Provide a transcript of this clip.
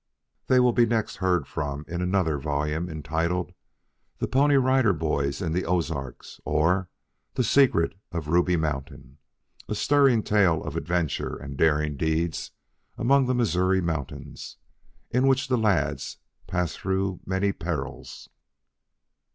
They will next be heard from in another volume, entitled, "THE PONY RIDER BOYS IN THE OZARKS, or the Secret of Ruby Mountain," a stirring tale of adventure and daring deeds among the Missouri mountains, in which the lads pass through many perils.